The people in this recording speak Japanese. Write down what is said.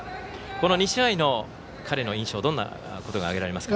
この２試合の彼の印象どんなことが挙げられますか？